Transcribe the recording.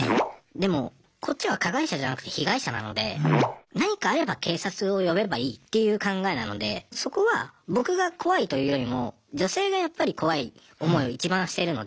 でもこっちは加害者じゃなくて被害者なので何かあれば警察を呼べばいいっていう考えなのでそこは僕が怖いというよりも女性がやっぱり怖い思いをいちばんしてるので。